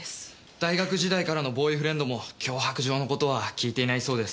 大学時代からのボーイフレンドも脅迫状のことは聞いていないそうです。